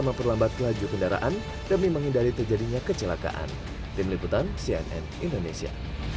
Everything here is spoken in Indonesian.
memperlambat laju kendaraan demi menghindari terjadinya kecelakaan tim liputan cnn indonesia